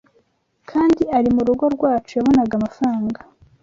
kandi ari mu rugo rwacu yabonaga amafaranga